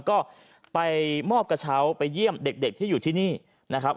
ก็ไปมอบกระเช้าไปเยี่ยมเด็กที่อยู่ที่นี่นะครับ